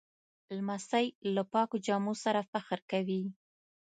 لمسی له پاکو جامو سره فخر کوي.